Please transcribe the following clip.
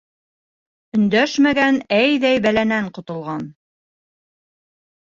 Өндәшмәгән әйҙәй бәләнән ҡотолған.